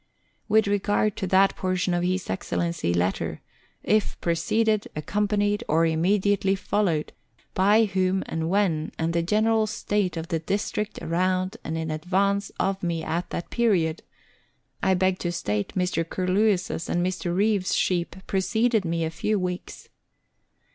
With regard to that portion of His Excellency's letter " If preceded, accompanied, or immediately followed, by whom and when, and the general state of the district around and in advance of me at that period " I beg to state Mr. Curlewis's and Mr. Reeve's sheep preceded me a few weeks.